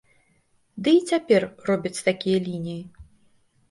Ды і цяпер робяць такія лініі.